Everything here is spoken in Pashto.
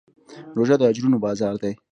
روژه د اجرونو بازار دی.